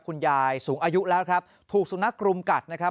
คุณยายสูงอายุแล้วครับถูกสุนัขรุมกัดนะครับ